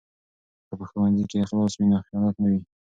که په ښوونځي کې اخلاص وي نو خیانت نه وي.